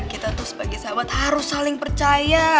kita tuh sebagai sahabat harus saling percaya